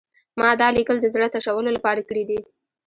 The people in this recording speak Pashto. ما دا لیکل د زړه تشولو لپاره کړي دي